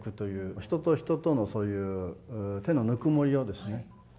人と人とのそういう手のぬくもりをですね